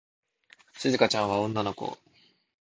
しずかちゃんは女の子。